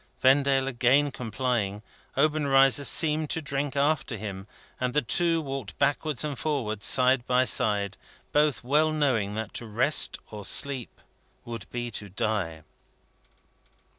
Vendale again complying, Obenreizer seemed to drink after him, and the two walked backwards and forwards side by side; both well knowing that to rest or sleep would be to die.